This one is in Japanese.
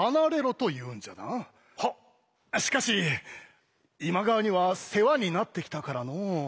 しかし今川には世話になってきたからのう。